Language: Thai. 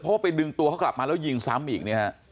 เพราะว่าไปดึงตัวเขากลับมาแล้วยิงซ้ำอีกเนี่ยฮะ